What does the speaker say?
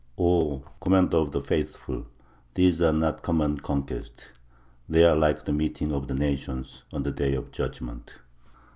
"O Commander of the Faithful, these are not common conquests; they are like the meeting of the nations on the Day of Judgment."